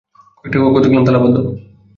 কয়েকটা কক্ষ দেখলাম তালাবদ্ধ।